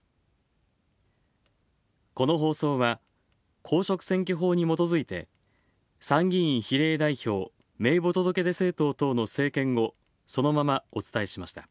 この放送は、公職選挙法にもとづいて参議院比例代表名簿届出政党等の政見をそのままお伝えしました。